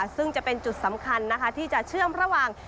ซึ่งจะเป็นจุดสำคัญนะคะที่จะเชื่อมระหว่าง